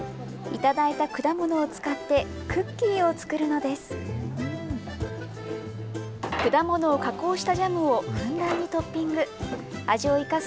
頂いた果物を使って、クッキーを作るのです。